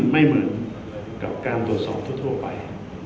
ไม่เหมือนกับการตรวจสอบทั่วไป